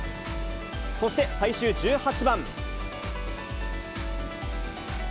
そして最終１８番。